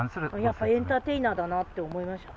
やっぱりエンターテイナーだなと思いました。